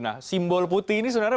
nah simbol putih ini sebenarnya